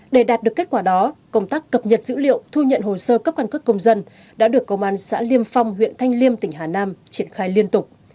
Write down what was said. để đạt được kết quả đó công tác cập nhật dữ liệu thu nhận hồ sơ cấp căn cước công dân đã được công an xã liêm phong huyện thanh liêm tỉnh hà nam triển khai liên tục